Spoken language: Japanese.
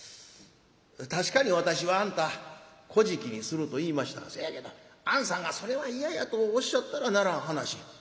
確かに私はあんたこじきにすると言いましたがそやけどあんさんが『それは嫌や』とおっしゃったらならん話。